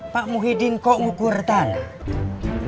pak muhyiddin kok ngukur tanah